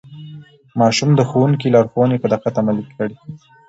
ماشوم د ښوونکي لارښوونې په دقت عملي کړې